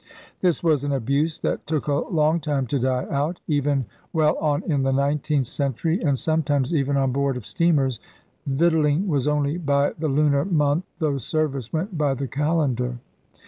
This was an abuse that took a long time to die out. Even well on in the nineteenth century, and sometimes even on board of steamers, vic tualling was only by the lunar month though service went by the calendar.